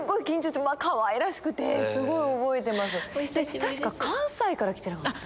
確か関西から来てなかった？